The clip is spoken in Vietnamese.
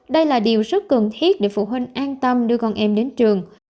đây là điều rất cần thiết để phụ huynh an tâm đưa con em đến trường